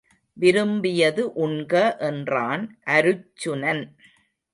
விரும்பியது உண்க என்றான் அருச்சுனன்.